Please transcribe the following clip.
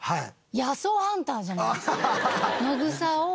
野草ハンターじゃないですか？